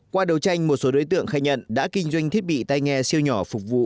qua đầu tranh một số đối tượng khai nhận đã kinh doanh thiết bị tay nghe siêu nhỏ phục vụ